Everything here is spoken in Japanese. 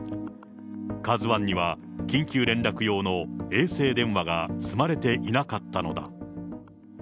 カズワンには緊急連絡用の衛星電話が積まれていなかったのだ。